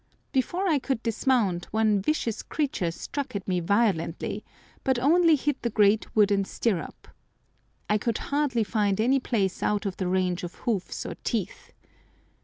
Before I could dismount, one vicious creature struck at me violently, but only hit the great wooden stirrup. I could hardly find any place out of the range of hoofs or teeth.